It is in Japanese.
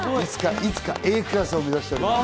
いつかＡクラスを目指しております。